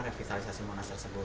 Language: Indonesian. revitalisasi monas tersebut